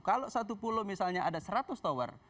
kalau satu pulau misalnya ada seratus tower